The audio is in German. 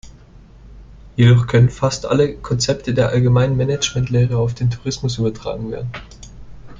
Jedoch können fast alle Konzepte der allgemeinen Managementlehre auf den Tourismus übertragen werden.